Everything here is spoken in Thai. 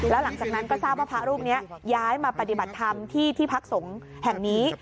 แล้วหลังจากนั้นก็ทราบว่าพระรูปนี้ย้ายมาปฏิบัติธรรมที่ที่พักสงฆ์แห่งนี้